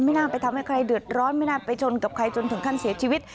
น่าไปทำให้ใครเดือดร้อนไม่น่าไปชนกับใครจนถึงขั้นเสียชีวิต